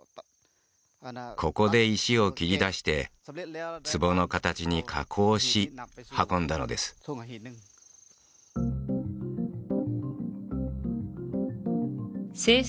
ここで石を切り出して壺の形に加工し運んだのです制作